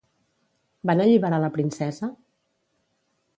Van alliberar la princesa?